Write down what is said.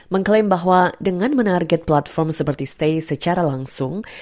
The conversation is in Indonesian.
mengklaim bahwa dengan menarget platform seperti stays secara langsung